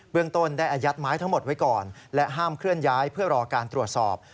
เรื่องต้นได้อายัดไม้ทั้งหมดไว้ก่อนและห้ามเคลื่อนย้ายเพื่อรอการตรวจสอบ